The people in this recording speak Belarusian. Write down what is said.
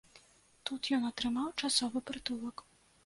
Тут ён атрымаў часовы прытулак.